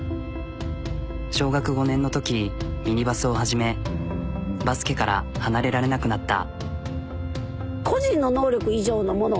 小学５年のときミニバスを始めバスケから離れられなくなった。